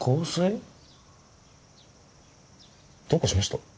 どうかしました？